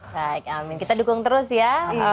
baik amin kita dukung terus ya